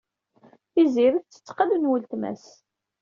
Tiziri tettett qell n weltma-s.